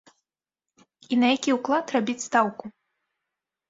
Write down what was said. І на які ўклад рабіць стаўку?